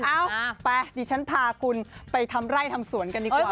เอ้าไปดิฉันพาคุณไปทำไร่ทำสวนกันดีกว่า